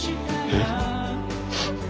えっ？